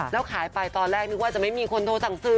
แล้วขายไปตอนแรกนึกว่าจะไม่มีคนโทรสั่งซื้อ